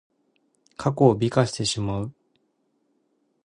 過去を美化してしまう。